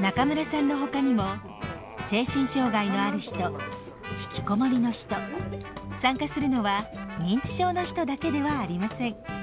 中村さんのほかにも精神障害のある人引きこもりの人参加するのは認知症の人だけではありません。